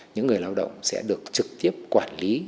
những người lao động sẽ được trực tiếp quản lý